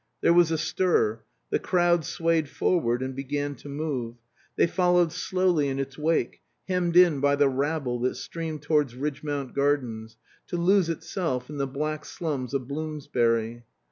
There was a stir; the crowd swayed forward and began to move. They followed slowly in its wake, hemmed in by the rabble that streamed towards Ridgmount Gardens, to lose itself in the black slums of Bloomsbury.